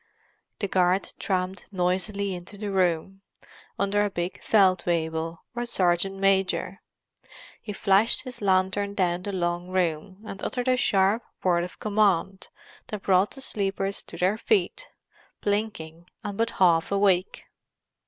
The guard tramped noisily into the room, under a big Feldwebel, or sergeant major. He flashed his lantern down the long room, and uttered a sharp word of command that brought the sleepers to their feet, blinking and but half awake.